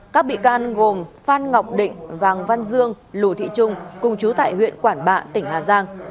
các bị can gồm phan ngọc định vàng văn dương lù thị trung cùng chú tại huyện quản bạ tỉnh hà giang